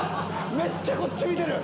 めっちゃこっち見てる！